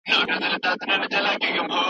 په پانګوال نظام کي ډېر افراط سوی دی.